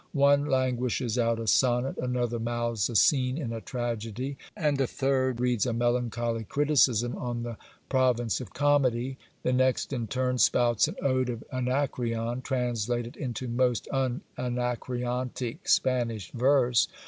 One languishes out a sonnet ; another mouths a scene in a tragedy ; and a third reads a melan choly criticism on the province of comedy. The next in turn spouts an ode of Anacreon, translated into most un anacreontic Spanish verse.